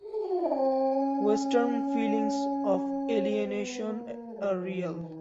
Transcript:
Western feelings of alienation are real.